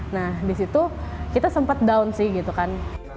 nah disitu kita sempat down sih gitu kan